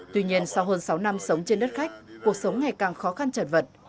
tuy nhiên sau hơn sáu năm sống trên đất khách cuộc sống ngày càng khó khăn chật vật